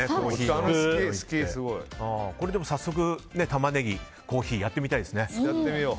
早速タマネギ、コーヒーやってみたいですね。